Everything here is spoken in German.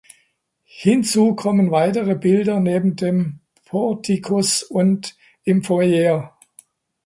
Hinzu kommen weitere Bilder neben dem Portikus und im Foyer.